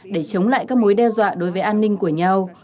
để chống lại các mối đe dọa đối với an ninh của nhau